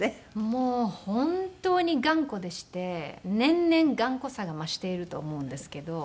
もう本当に頑固でして年々頑固さが増していると思うんですけど。